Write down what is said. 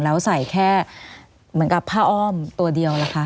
แล้วใส่แค่เหมือนกับผ้าอ้อมตัวเดียวล่ะค่ะ